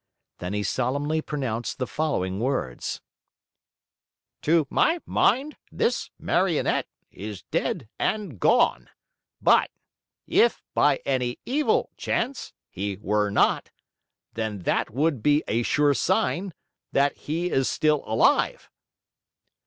Then he solemnly pronounced the following words: "To my mind this Marionette is dead and gone; but if, by any evil chance, he were not, then that would be a sure sign that he is still alive!"